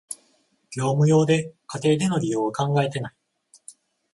業務用で、家庭での利用は考えてない